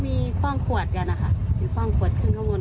ก็มีข้างขวดอยู่ข้างขวดขึ้นเครือข้างนู้น